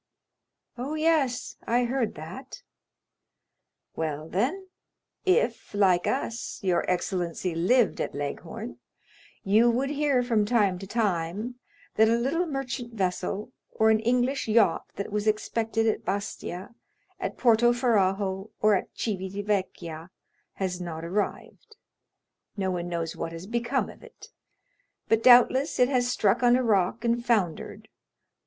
"Oh, yes, I heard that." "Well, then, if, like us, your excellency lived at Leghorn, you would hear, from time to time, that a little merchant vessel, or an English yacht that was expected at Bastia, at Porto Ferrajo, or at Civita Vecchia, has not arrived; no one knows what has become of it, but, doubtless, it has struck on a rock and foundered.